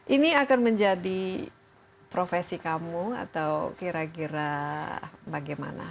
ini akan menjadi profesi kamu atau kira kira bagaimana